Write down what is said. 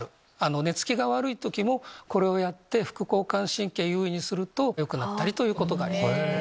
寝付きが悪い時もこれをやって副交感神経優位にするとよくなったりということが。